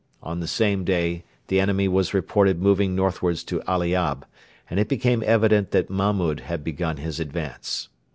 On the same day the enemy were reported moving northwards to Aliab, and it became evident that Mahmud had begun his advance.